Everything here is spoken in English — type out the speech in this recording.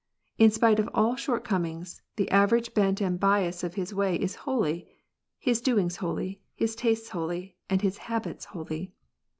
In spite of all short comings, the average bent and bias of his way is holy, his doings holy, his tastes holy, and his habits holy.